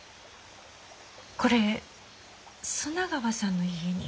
これ砂川さんの家に。